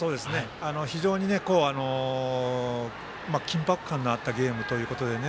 非常に緊迫感のあったゲームということでね。